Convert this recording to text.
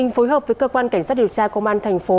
phối hợp với cơ quan cảnh sát điều tra công an thành phố